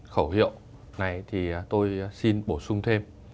khẩu hiệu này thì tôi xin bổ sung thêm